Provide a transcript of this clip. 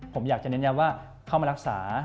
ผมอยากจะเน้นย้ำว่าเข้ามารักษา